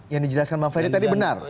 yang dijelaskan bang ferry tadi benar